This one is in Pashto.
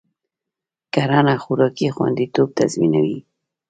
کرنه خوراکي خوندیتوب تضمینوي.